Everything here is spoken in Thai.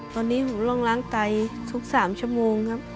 ตอนนี้ผมต้องล้างไตทุก๓ชั่วโมงครับ